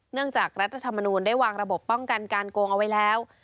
จากรัฐธรรมนูลได้วางระบบป้องกันการโกงเอาไว้แล้ว